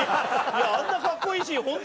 あんなかっこいいシーン